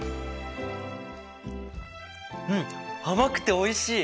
うん甘くておいしい！